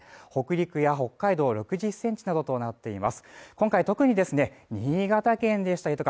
北陸や北海道６０センチなどとなっています